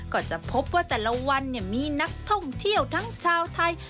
ก็จะพบว่าแต่ละวันมีนักท่องเที่ยวทั้งชาวไทย